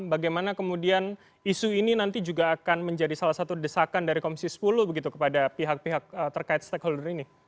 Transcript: bagaimana kemudian isu ini nanti juga akan menjadi salah satu desakan dari komisi sepuluh begitu kepada pihak pihak terkait stakeholder ini